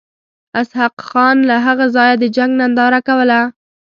اسحق خان له هغه ځایه د جنګ ننداره کوله.